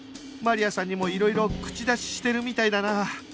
マリアさんにもいろいろ口出ししてるみたいだな